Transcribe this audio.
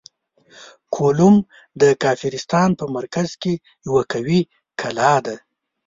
کولوم د کافرستان په مرکز کې یوه قوي کلا ده.